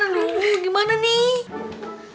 aduh gimana nih